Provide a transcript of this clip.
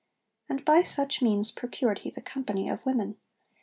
And by such means procured he the company of women.'